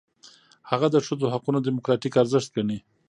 هغه د ښځو حقونه دموکراتیک ارزښت ګڼي.